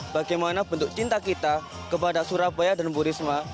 bagaimana bentuk cinta kita kepada surabaya dan bu risma